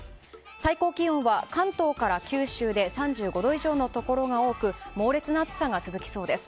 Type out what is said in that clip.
最高気温は関東から九州で３５度以上のところが多く猛烈な暑さが続きそうです。